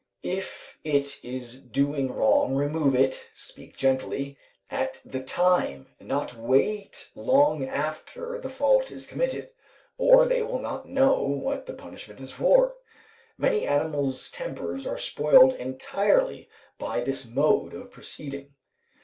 If it is doing wrong remove it, speaking gently, at the time, and not wait long after the fault is committed, or they will not know what the punishment is for. Many animals' tempers are spoiled entirely by this mode of proceeding.